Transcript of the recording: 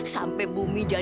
sampai jumpa mbak